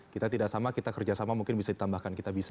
kita tidak sama kita kerjasama mungkin bisa ditambahkan kitabisa